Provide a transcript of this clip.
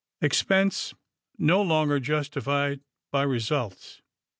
*^ Expense no longer justified by results.